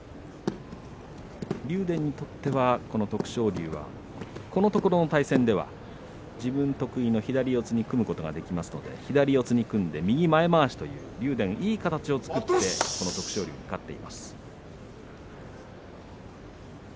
竜電にとってはこの徳勝龍はこのところの対戦では自分得意の左四つに組むことができますので左四つに組んで右前まわしいい形を作って竜電、徳勝龍に勝っています。